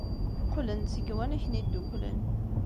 Qqlen-d seg Yiwanaken Yeddukklen.